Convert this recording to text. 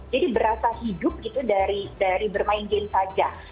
jadi berasa hidup gitu dari bermain game saja